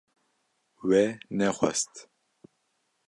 We nexwest